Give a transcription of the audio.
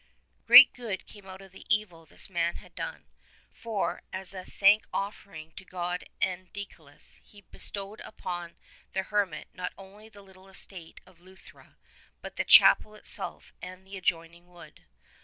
Great good came out of the evil this man had done, for, as a thankoffering to God and Deicolus, he bestowed upon the hermit not only the little estate of Luthra, but the chapel itself and the adjoining wood.